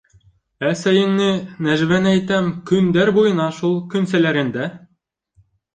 Эсәйең ни, Нәжибәне әйтәм, көндәр буйына шул кәнсәләрендә.